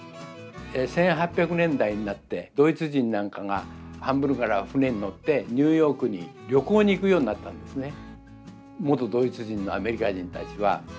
１８００年代になってドイツ人なんかがハンブルクから船に乗ってニューヨークに旅行に行くようになったんですね。